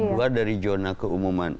luar dari zona keumuman